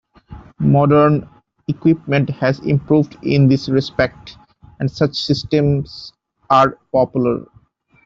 Modern equipment has improved in this respect, and such systems are popular.